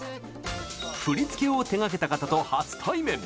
振り付けを手がけた方と初対面。